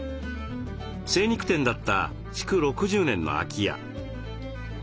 精肉店だった築６０年の空き家。